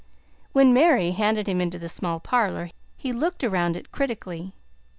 When Mary handed him into the small parlor, he looked around it critically.